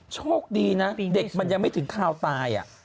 โชคดีนะเด็กมันยังไม่ถึงคาวตาย